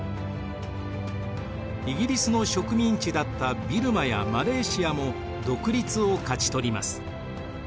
イギリスの植民地だったビルマやマレーシアも独立を勝ち取ります。